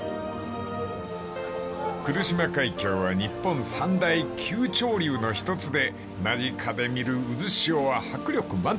［来島海峡は日本三大急潮流の一つで間近で見る渦潮は迫力満点！］